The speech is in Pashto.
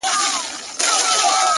په دريو مياشتو كي به لاس درنه اره كړي-